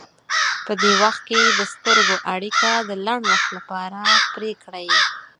په دې وخت کې د سترګو اړیکه د لنډ وخت لپاره پرې کړئ.